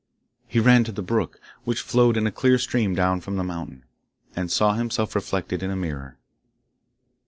He ran to the brook, which flowed in a clear stream down from the mountain. and saw himself reflected as in a mirror.